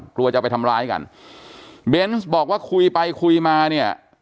กลัวจะไปทำร้ายกันเบนส์บอกว่าคุยไปคุยมาเนี่ย